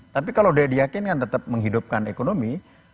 tapi kalau dia diyakinkan tetap menghidupkan ekonomi